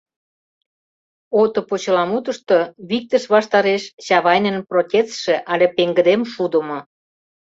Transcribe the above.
«Ото» почеламутышто виктыш ваштареш Чавайнын протестше але пеҥгыдем шудымо.